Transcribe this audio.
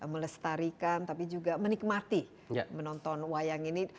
melestarikan tapi juga menikmati menonton wayang ini